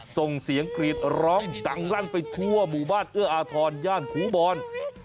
ส่งเสียงกรีดร้องดังลั่นไปทั่วหมู่บ้านเอื้ออาทรย่านครูบอล